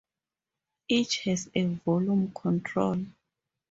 Each has a volume control.